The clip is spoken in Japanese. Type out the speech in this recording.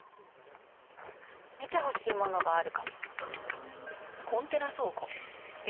見てほしいものがあるかも。